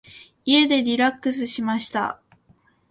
家でリラックスしました。